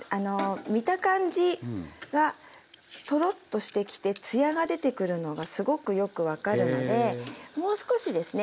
見た感じがトロッとしてきてツヤが出てくるのがすごくよく分かるのでもう少しですね。